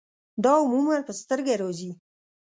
دا عموماً پۀ سترګه راځي